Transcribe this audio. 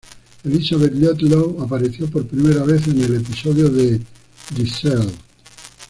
Elizabeth Ludlow apareció por primera vez en el episodio de la "The Cell".